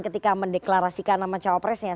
ketika mendeklarasikan nama cawapresnya